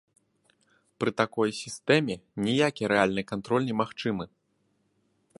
Пры такой сістэме ніякі рэальны кантроль немагчымы.